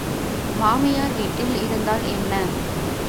மாமியார் வீட்டில் இருந்தால் என்ன?